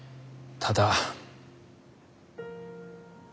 ただ？